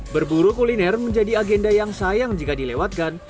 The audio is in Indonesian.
berburu kuliner menjadi agenda yang sayang jika dilewatkan